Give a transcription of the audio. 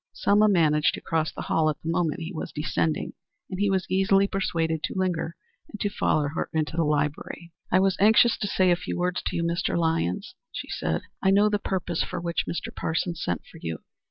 Selma managed to cross the hall at the moment he was descending, and he was easily persuaded to linger and to follow her into the library. "I was anxious to say a few words to you, Mr. Lyons," she said. "I know the purpose for which Mr. Parsons sent for you.